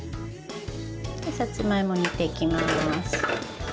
さつまいも煮ていきます。